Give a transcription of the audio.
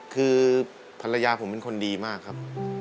คือภรรยาผมเป็นคนดีมากครับ